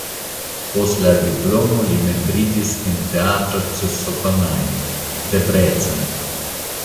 Post la diplomo li membriĝis en Teatro Csokonai (Debrecen).